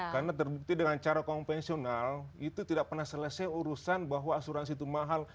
karena terbukti dengan cara konvensional itu tidak pernah selesai urusan bahwa asuransi itu mahal